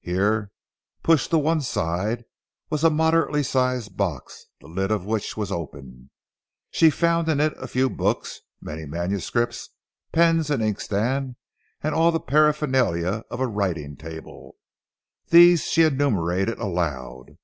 Here, pushed to one side, was a moderately sized box, the lid of which was open. She found in it a few books, many manuscripts, pens, an inkstand, and all the paraphernalia of a writing table. These she enumerated aloud.